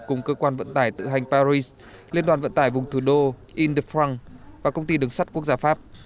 cùng cơ quan vận tải tự hành paris liên đoàn vận tải vùng thủ đô indefranc và công ty đường sắt quốc gia pháp